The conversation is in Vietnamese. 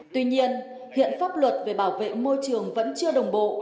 tuy nhiên hiện pháp luật về bảo vệ môi trường vẫn chưa đồng bộ